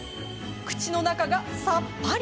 口の中がさっぱり。